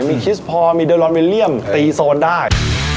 มีคิสพอลมีเดอรอนวิลเลี่ยมตีโซนได้